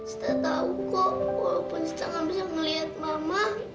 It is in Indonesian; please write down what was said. sita tahu kok walaupun sita gak bisa ngelihat mama